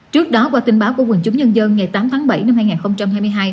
trước đó qua tin báo của quần chúng nhân dân ngày tám tháng bảy năm hai nghìn hai mươi hai